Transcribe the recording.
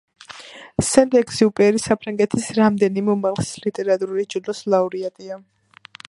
სენტ-ეგზიუპერი საფრანგეთის რამდენიმე უმაღლესი ლიტერატურული ჯილდოს ლაურეატია.